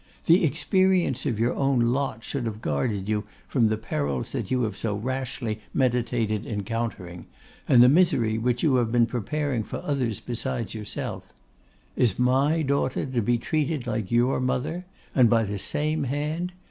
The experience of your own lot should have guarded you from the perils that you have so rashly meditated encountering, and the misery which you have been preparing for others besides yourself. Is my daughter to be treated like your mother? And by the same hand?